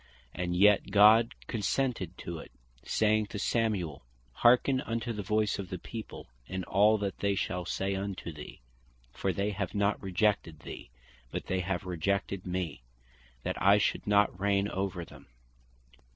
And yet God consented to it, saying to Samuel (verse 7.) "Hearken unto the voice of the People, in all that they shall say unto thee; for they have not rejected thee, but they have rejected mee, that I should not reign over them."